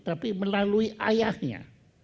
tapi melalui ayahnya